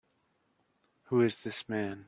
Who is this man?